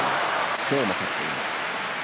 今日も勝っています。